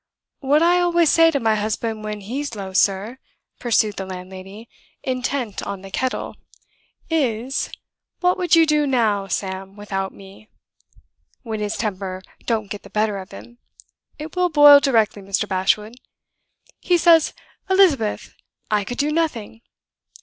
"What I always say to my husband when he's low, sir," pursued the landlady, intent on the kettle, "is, 'What would you do now, Sam, without me?' When his temper don't get the better of him (it will boil directly, Mr. Bashwood), he says, 'Elizabeth, I could do nothing.